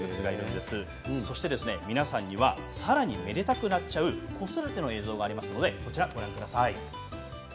そして皆さんには、さらにめでたくなっちゃう子育ての映像がありますのでご覧ください。